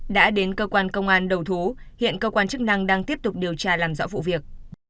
đã đến cơ quan công an đầu thú hiện cơ quan chức năng đang tiếp tục điều tra làm rõ vụ việc